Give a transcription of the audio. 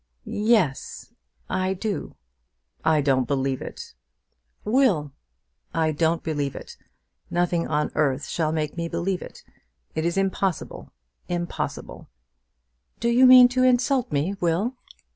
"Yes; I do." "I don't believe it!" "Will!" "I don't believe it. Nothing on earth shall make me believe it. It is impossible; impossible!" "Do you mean to insult me, Will?"